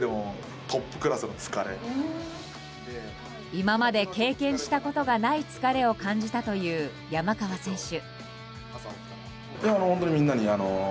今まで経験したことがない疲れを感じたという山川選手。